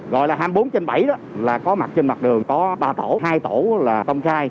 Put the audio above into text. gọi là hai mươi bốn trên bảy đó là có mặt trên mặt đường có ba tổ hai tổ là công khai